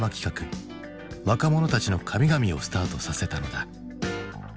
「若者たちの神々」をスタートさせたのだ。